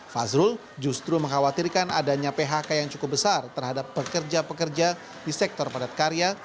fazrul justru mengkhawatirkan adanya phk yang cukup besar terhadap pekerja pekerja di sektor padat karya